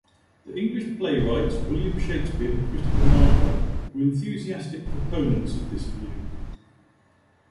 The English playwrights William Shakespeare and Christopher Marlowe were enthusiastic proponents of this view.